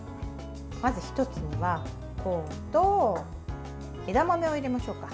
まず１つにはコーンと枝豆を入れましょうか。